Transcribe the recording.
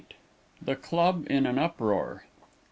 THE CLUB IN AN UPROAR.